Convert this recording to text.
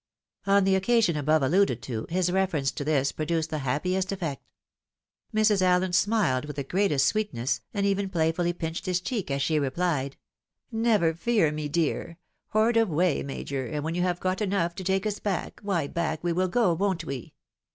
On the occasion above alluded to, his reference to this produced the happiest effect. Mrs. Allen smiled with the greatest sweetness, and even playfully pinched his cheek as she replied, "Never fear me, dear! Hoatd away, Major, and when you have got enough to take us back, why back we will go, won't we?"